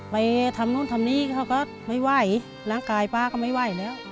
ไปทำนู่นทำนี่เขาก็ไม่ไหวร่างกายป้าก็ไม่ไหวแล้ว